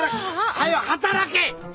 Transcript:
早う働け！